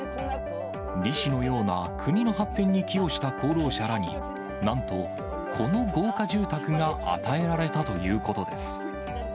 リ氏のような国の発展に寄与した功労者らに、なんと、この豪華住宅が与えられたということです。